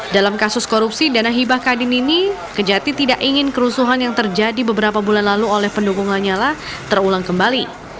dalam kasus korupsi dana hibah kadin ini kejati tidak ingin kerusuhan yang terjadi beberapa bulan lalu oleh pendukung lanyala terulang kembali